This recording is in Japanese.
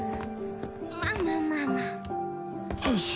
まあまあまあまあ。